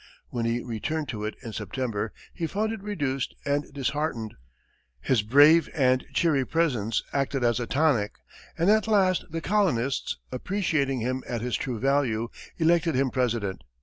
When he returned to it in September, he found it reduced and disheartened. His brave and cheery presence acted as a tonic, and at last the colonists, appreciating him at his true value, elected him president.